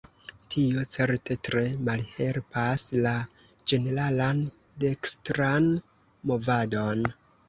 Tio, certe, tre malhelpas la ĝeneralan dekstran movadon.